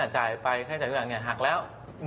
จ่ายไปค่าใช้จ่ายทุกอย่างหักแล้ว